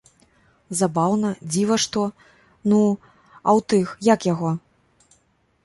Забаўна, дзіва што, ну, а ў тых, як яго?